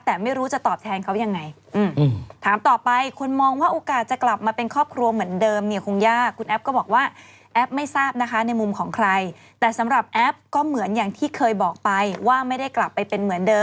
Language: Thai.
ปากทางเข้าวัดถ้าไม่เชื่อให้กลับไปดูหลังจากที่ทำบูรณ์เสร็จก็กลับไปดู